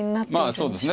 そうですね。